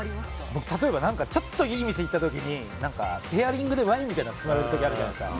僕、例えば何かちょっといい店行った時にペアリングでワインみたいなの勧められる時あるじゃないですか。